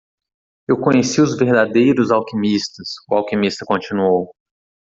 "Eu conheci os verdadeiros alquimistas?" o alquimista continuou.